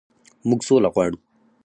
موږ سوله غواړو